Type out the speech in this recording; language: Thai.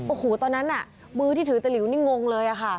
โอ้โหตอนนั้นน่ะมือที่ถือตะหลิวนี่งงเลยค่ะ